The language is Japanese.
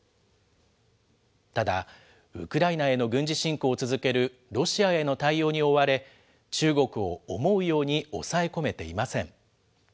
ただ、ウクライナへの軍事侵攻を続けるロシアへの対応に追われ、中国を思うように抑え込めていません。